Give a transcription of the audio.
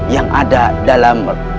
yang ada dalam